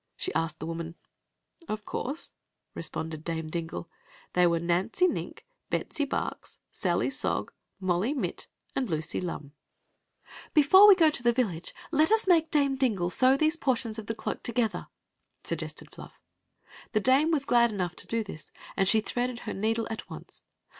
s^ asked the 0( course," responded Dame Dingle ;" they were Nancy Nink, Betsy Barx, SaMy Molly Mit^ and Lucy Lxm, 264 Queen Zixi of Ix ; or, the^J " Before we go to the village let us make Dame Dingle sew these portions of the cloak together," sug gested Flufl The dame was f^sA enough to do this, and she threaded her needle at once.